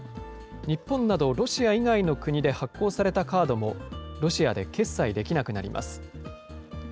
日本などロシア以外の国で発行されたカードも、ロシアで決済できなくなります。